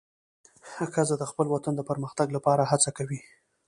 ښځه د خپل وطن د پرمختګ لپاره هڅه کوي.